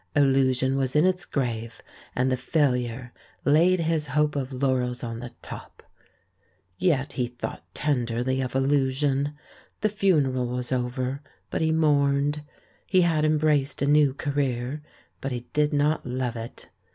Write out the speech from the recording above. Illusion was in its grave, and the Failure laid his hope of laurels on the top. Yet he thought tenderly of Illusion. The funeral was over, but he mourned. He had embraced a new career, but he did not love it.